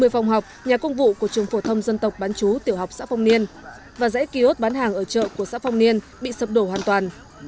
một mươi phòng học nhà công vụ của trường phổ thông dân tộc bán chú tiểu học xã phong niên và dãy ký ốt bán hàng ở chợ của xã phong niên bị sập đổ hoàn toàn